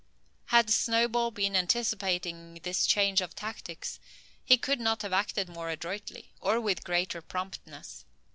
Had Snowball been anticipating this change of tactics, he could not have acted more adroitly, or with greater promptness.